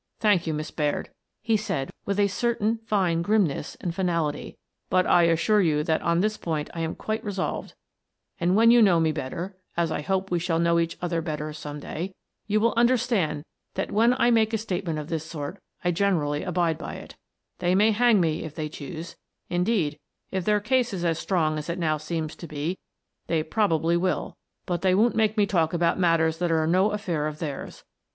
"Thank you, Miss Baird," he said with a cer tain fine grimness and finality, " but I assure you that on this point I am quite resolved, and when you know me better — as I hope we shall know each other better some day — you will understand that when I make a statement of this sort, I generally abide by it They may hang me if they choose — indeed, if their case is as strong as it now seems to be, they very probably will — but they won't make me talk about matters that are no affair of theirs.